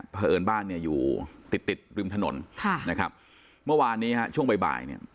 เพราะเอิญบ้านเนี่ยอยู่ติดติดริมถนนค่ะนะครับเมื่อวานนี้ฮะช่วงบ่ายบ่ายเนี่ย